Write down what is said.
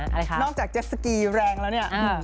พี่เปิ้ลนอกจากเจสสกีแรงแล้วเนี่ย